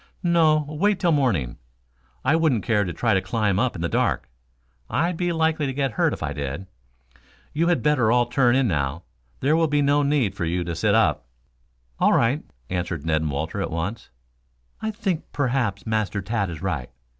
"No; wait till morning. I wouldn't care to try to climb up in the dark. I'd be likely to get hurt if I did. You had better all turn in now. There will be no need for you to sit up." "All right," answered Ned and Walter at once. "I think perhaps Master Tad is right.